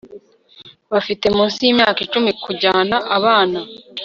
bafite munsi y'imyaka icumi kujyana abana